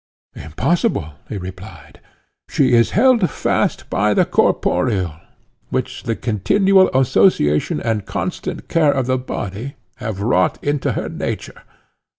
Impossible, he replied. She is held fast by the corporeal, which the continual association and constant care of the body have wrought into her nature.